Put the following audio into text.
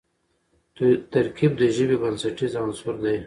ترکیب د ژبي بنسټیز عنصر دئ.